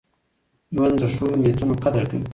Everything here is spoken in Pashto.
ژوند د ښو نیتونو قدر کوي.